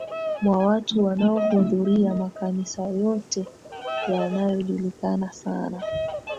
mwa watu wanaohudhuria makanisa yote yanayojulikana sana